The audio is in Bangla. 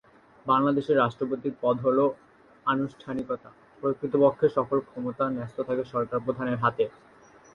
বাংলাদেশে রাষ্ট্রপতির পদ হলো আনুষ্ঠানিকতা, প্রকৃতপক্ষে সকল ক্ষমতা ন্যস্ত থাকে সরকার প্রধানের হাতে।